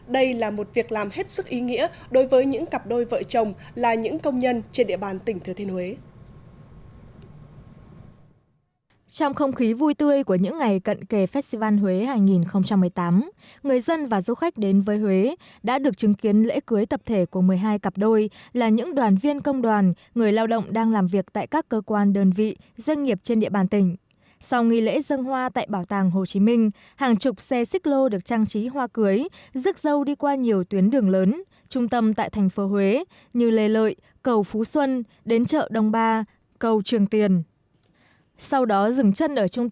đây là một việc làm hết sức ý nghĩa đối với những cặp đôi vợ chồng là những công nhân trên địa bàn tỉnh thừa thiên huế